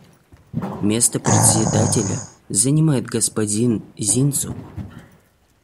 Место Председателя занимает господин Зинсу.